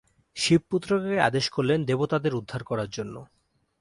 শিব পুত্রকে আদেশ করলেন দেবতাদের উদ্ধার করার জন্য।